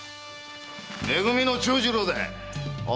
め組の長次郎だ。